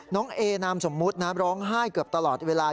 เอนามสมมุตินะร้องไห้เกือบตลอดเวลา